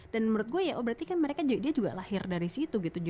dan menurut gue ya oh berarti kan mereka juga lahir dari situ gitu